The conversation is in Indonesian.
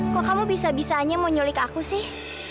kok kamu bisa bisanya mau nyulik aku sih